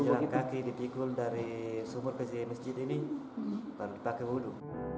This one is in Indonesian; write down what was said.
mesti jalan kaki dipikul dari sumur ke masjid ini pakai wudu